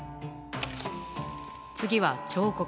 次は彫刻。